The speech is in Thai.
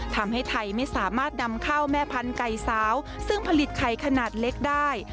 ทำให้ไทยไม่สามารถนำข้าวแม่พันธุ์ไก่สาวซึ่งผลิตไข่ขนาดเล็กได้